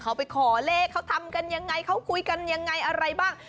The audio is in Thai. เขาไปขอเลขเขาทำกันยังไงเขาคุยกันยังไงอะไรบ้าง